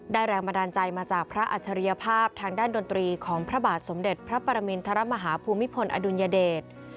แรงบันดาลใจมาจากพระอัจฉริยภาพทางด้านดนตรีของพระบาทสมเด็จพระปรมินทรมาฮาภูมิพลอดุลยเดช